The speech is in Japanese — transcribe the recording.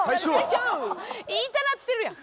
言いたなってるやん。